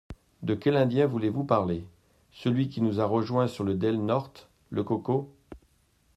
De quel Indien voulez-vous parler ? Celui qui nous a rejoints sur le Del-Norte, le Coco.